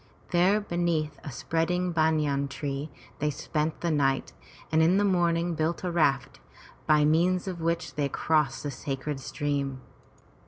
There beneath a spreading banyan tree they spent the night and in the morning built a raft, by means of which they crossed the sacred stream.